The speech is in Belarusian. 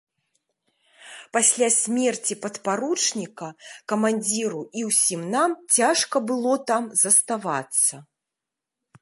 Пасля смерці падпаручніка камандзіру і ўсім нам цяжка было там заставацца!